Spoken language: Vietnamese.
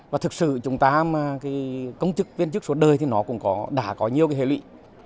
và thực sự chúng ta mà cái công chức viên chức suốt đời thì nó cũng đã có nhiều cái hệ lụy